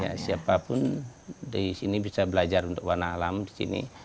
ya siapapun di sini bisa belajar untuk warna alam di sini